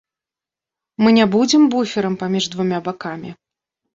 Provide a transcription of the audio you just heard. Мы не будзем буферам паміж двума бакамі.